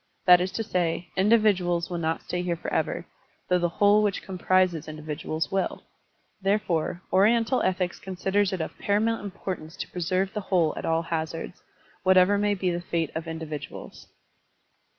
That is to say, individuals will not stay here forever, though the whole which com prises individuals will. Therefore, Oriental ethics considers it of paramotmt importance to preserve the whole at all hazards, whatever may be the fate of individuals.